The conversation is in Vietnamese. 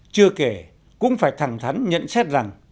chưa kể cũng phải thẳng thắn nhận xét rằng